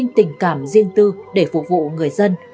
tình cảm riêng tư để phục vụ người dân